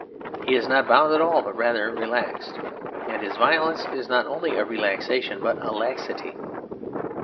He is not bound at all but rather relaxed; and his violence is not only a relaxation but a laxity.